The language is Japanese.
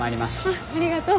あぁありがとう。